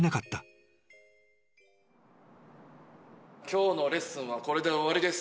今日のレッスンはこれで終わりです。